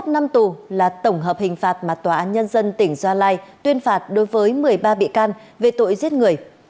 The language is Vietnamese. hai mươi năm năm tù là tổng hợp hình phạt mà tòa án nhân dân tỉnh gia lai tuyên phạt đối với một mươi ba bị can về tội giết người